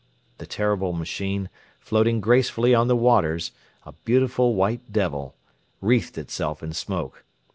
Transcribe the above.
The terrible machine, floating gracefully on the waters a beautiful white devil wreathed itself in smoke.